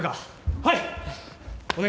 はい。